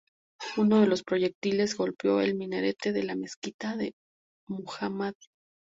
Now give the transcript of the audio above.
Uno de los proyectiles golpeó el minarete de la Mezquita Muhammad.